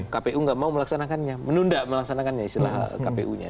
kpu nggak mau melaksanakannya menunda melaksanakannya istilah kpu nya